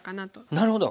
なるほど。